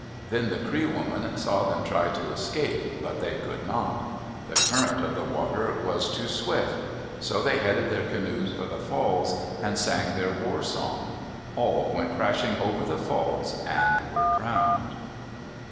Then the Cree woman saw them try to escape, but they could not. The current of the water was too swift. So they headed their canoes for the falls and sang their war song. All went crashing over the falls and were drowned.